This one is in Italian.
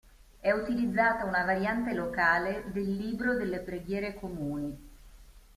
È utilizzata una variante locale del Libro delle preghiere comuni.